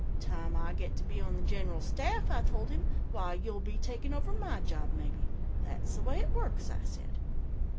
"'Time I get to be on the General Staff,' I told him, 'why, you'll be takin' over my job, maybe. That's the way it works,' I said.